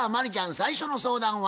最初の相談は？